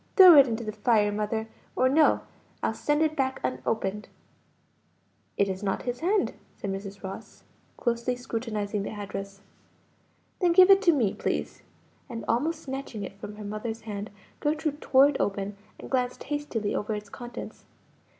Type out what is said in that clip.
"Throw it into the fire, mother, or no; I'll send it back unopened." "It is not his hand," said Mrs. Ross, closely scrutinizing the address. "Then give it to me, please;" and almost snatching it from her mother's hand, Gertrude tore it open, and glanced hastily over its contents.